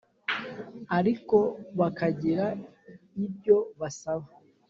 ariko bakagira ibyo basaba.